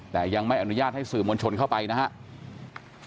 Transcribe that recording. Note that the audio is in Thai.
แต่ยังไม่อนุญาตให้สื่อมวลชนเข้าไปนะครับ